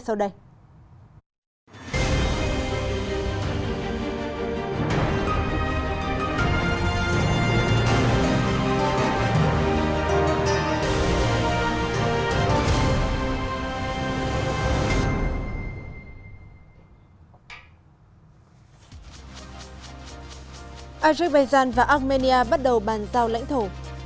azerbaijan và armenia bắt đầu bàn giao lãnh thổ